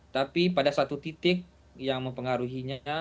tapi pada satu titik yang mempengaruhinya